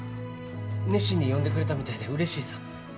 熱心に読んでくれたみたいでうれしいさ。